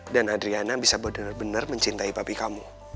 dan adiana bisa bener bener mencintai papi kamu